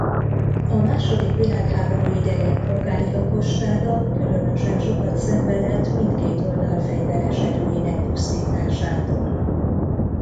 A második világháború idején polgári lakossága különösen sokat szenvedett mindkét oldal fegyveres erőinek pusztításától.